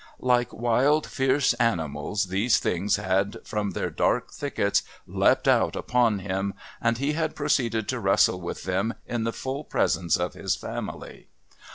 Like wild fierce animals these things had from their dark thickets leapt out upon him, and he had proceeded to wrestle with them in the full presence of his family.